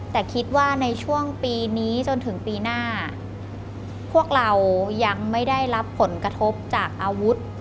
แต่คิดว่าในช่วงปีนี้จนถึงปีหน้าพวกเรายังไม่ได้รับผลกระทบจากอาวุธ